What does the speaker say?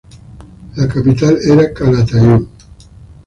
La capital era Calatayud.